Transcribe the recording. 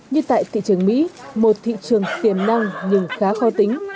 như tại thị trường mỹ một thị trường tiềm năng nhưng khá khó tính